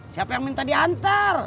siapa yang minta diantar